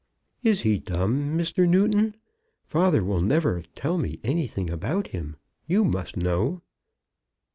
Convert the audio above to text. "Is he dumb, Mr. Newton? Father never will tell me anything about him. You must know."